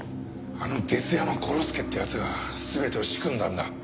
あのデス山殺助って奴が全てを仕組んだんだ。